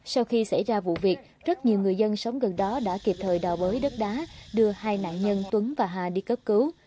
sau khi xảy ra vụ việc rất nhiều người dân sống gần đó đã kịp thời đào bới đất đá đưa hai nạn nhân tuấn và hà đi cấp cứu